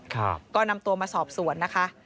ก็นำตัวมาสอบสวนนะคะ